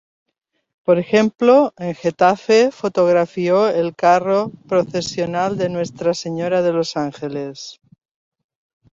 Por ejemplo, en Getafe fotografió el carro procesional de Nuestra Señora de los Ángeles.